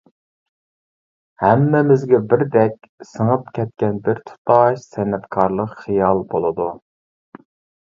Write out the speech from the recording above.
ھەممىمىزگە بىردەك سىڭىپ كەتكەن بىر تۇتاش سەنئەتكارلىق خىيال بولىدۇ.